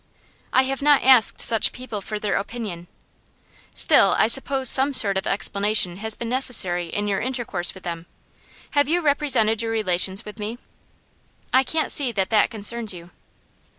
'I have not asked such people for their opinion.' 'Still, I suppose some sort of explanation has been necessary in your intercourse with them. How have you represented your relations with me?' 'I can't see that that concerns you.